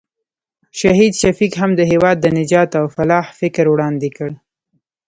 شهید شفیق هم د هېواد د نجات او فلاح فکر وړاندې کړ.